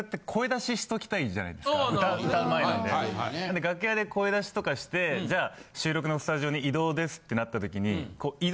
楽屋で声出しとかしてじゃあ収録のスタジオに移動ですってなったときに。